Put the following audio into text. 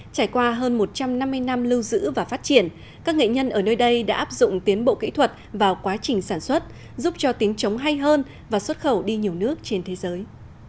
trải qua hơn một trăm năm mươi năm lưu giữ và phát triển các nghệ nhân ở nơi đây đã áp dụng tiến bộ kỹ thuật vào quá trình sản xuất giúp cho tiếng trống hay hơn và xuất khẩu đi nhiều nước trên thế giới